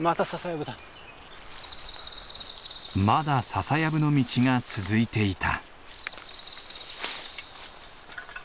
まだ笹やぶの道が続いていた。